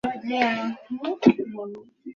এরকম করোনা, আকাশ।